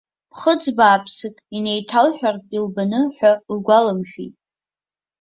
Ԥхыӡ бааԥсык, инеиҭалҳәартә илбаны ҳәа лгәаламшәеит.